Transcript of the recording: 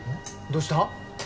どうした？